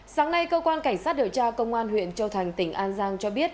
sáng nay cơ quan cảnh sát điều tra công an huyện châu thành tỉnh an giang cho biết